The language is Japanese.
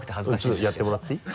ちょっとやってもらっていい？